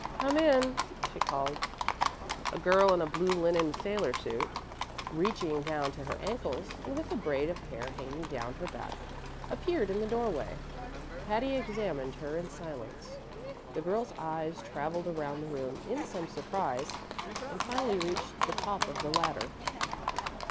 "Come in," she called. A girl in a blue linen sailor suit reaching to her ankles, and with a braid of hair hanging down her back, appeared in the doorway. Patty examined her in silence. The girl's eyes traveled around the room in some surprise, and finally reached the top of the ladder.